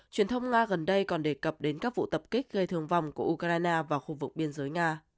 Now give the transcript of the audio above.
truyền thông nga gần đây còn đề cập đến các vụ tập kích gây thương vong của ukraine vào khu vực biên giới nga